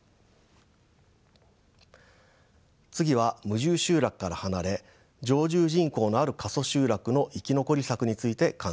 次は無住集落から離れ常住人口のある過疎集落の生き残り策について考えます。